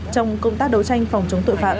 trong công tác đấu tranh phòng chống tội phạm